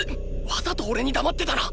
わざとおれに黙ってたな！